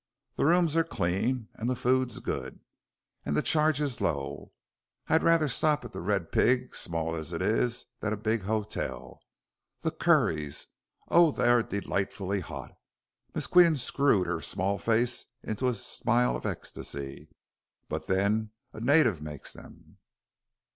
The rooms are clean and the food good and the charges low. I'd rather stop at 'The Red Pig,' small as it is, than at the big hotel. The curries oh, they are delightfully hot!" Miss Qian screwed her small face into a smile of ecstasy. "But, then, a native makes them."